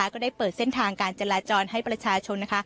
ก็ได้เปิดเส้นทางการจราจรให้ประชาชนนะคะ